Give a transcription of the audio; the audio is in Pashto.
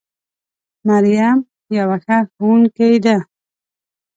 مريم يوه ښه ښوونکې ده